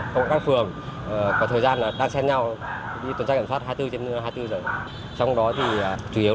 các phường có thời gian đang xem nhau đi tuần tra kiểm soát hai mươi bốn h trên hai mươi bốn h trong đó thì chủ yếu